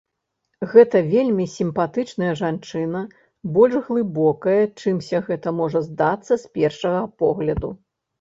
Гэта вельмі сімпатычная жанчына, больш глыбокая, чымся гэта можа здацца з першага погляду.